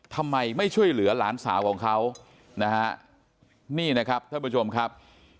ทำไมไม่ช่วยเหลือหลานสาวของเขานะฮะนี่นะครับท่านผู้ชมครับ